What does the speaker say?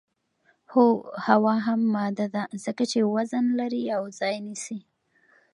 هو هوا هم ماده ده ځکه چې وزن لري او ځای نیسي.